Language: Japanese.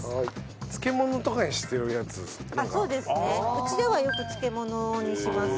うちではよく漬物にします。